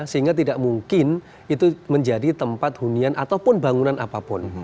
sehingga tidak mungkin itu menjadi tempat hunian ataupun bangunan apapun